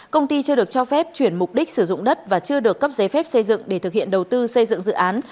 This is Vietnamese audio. công ty chưa được cho phép chuyển mục đích sử dụng đất và chưa được cấp giấy phép xây dựng để thực hiện đầu tư xây dựng dự án